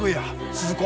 鈴子！